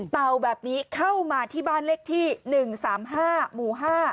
เต่าแบบนี้เข้ามาที่บ้านเลขที่๑๓๕หมู่๕